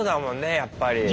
やっぱり。